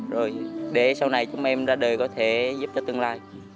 rồi để sau này chúng em ra đời có thể giúp cho tương lai